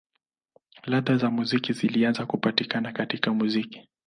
Ladha za muziki zilianza kupatikana katika muziki.